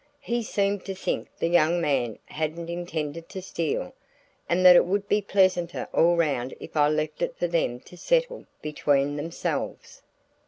He seemed to think the young man hadn't intended to steal, and that it would be pleasanter all around if I left it for them to settle between themselves."